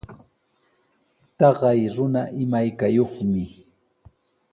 Taqay runa imaykayuqmi.